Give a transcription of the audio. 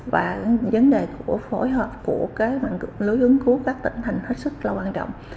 và vấn đề của phối hợp của cái mạng lưới ứng cứu các tỉnh thành rất là quan trọng